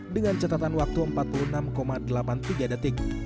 dengan catatan waktu empat puluh enam delapan puluh tiga detik